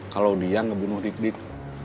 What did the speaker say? kalau dia ngebunuh dig dik